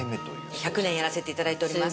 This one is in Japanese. １００年やらせて頂いております。